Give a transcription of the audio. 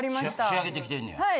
仕上げてきてんねや。